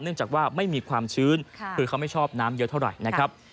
จากว่าไม่มีความชื้นคือเขาไม่ชอบน้ำเยอะเท่าไหร่นะครับ